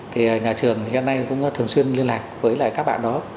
thì nhà trường hiện nay cũng thường xuyên liên lạc với các bạn đó